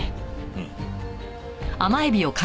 うん。